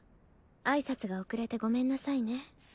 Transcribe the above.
挨拶が遅れてごめんなさいね